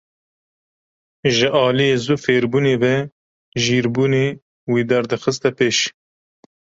Ji aliyê zû fêrbûnê ve jîrbûnê wî derdixiste pêş.